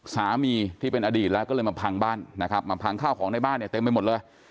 สามีที่เป็นอดีตแล้วก็เลยมาพังบ้านนะครับมาพังข้าวของในบ้านเนี่ยเต็มไปหมดเลย